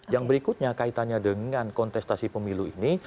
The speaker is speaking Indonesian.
yang berikutnya kaitannya dengan kontestasi pemilu ini